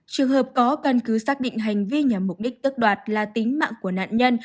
trường hợp có căn cứ xác định hành vi nhằm mục đích ước đoạt là tính mạng của nạn nhân